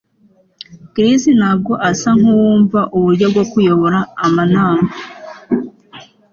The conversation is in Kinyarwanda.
Chris ntabwo asa nkuwumva uburyo bwo kuyobora amanama